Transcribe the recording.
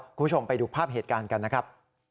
คุณผู้ชมไปดูภาพเหตุการณ์กันนะครับ